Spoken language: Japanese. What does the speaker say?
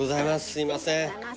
すいません。